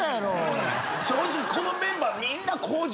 正直このメンバー。